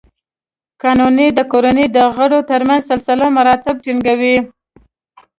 قانون د کورنۍ د غړو تر منځ سلسله مراتب ټینګوي.